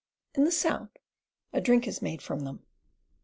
In the South a drink is made from them.